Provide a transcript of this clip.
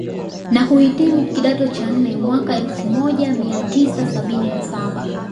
na kuhitimu kidato cha nne mwaka Elfu moja mia tisa sabini na saba